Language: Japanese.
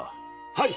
はい！